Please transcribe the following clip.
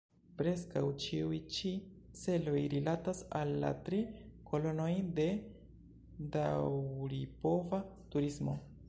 Preskaŭ ĉiuj-ĉi celoj rilatas al la tri kolonoj de daŭripova turismo.